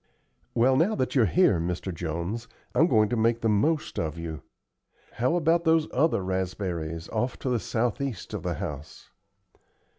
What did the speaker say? "Well, now that you're here, Mr. Jones, I'm going to make the most of you. How about those other raspberries off to the southeast of the house?"